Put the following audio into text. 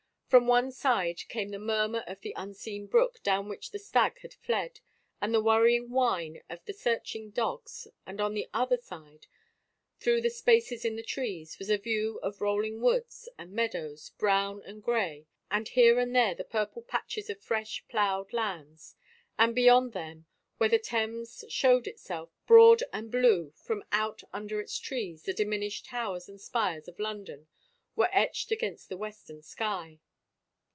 From one side came the murmur of the unseen brook down which the stag had fled and the worrying whine of the searching dogs and on the other side, through the spaces in the trees, was a view of rolling woods and meadows, brown and gray, with here and there the purple patches of fresh plowed lands, and beyond them, where the Thames showed itself broad and blue from out under its trees, the diminished towers and spires of London were etched against the western sky.